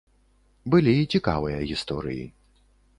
Былі і цікавыя гісторыі.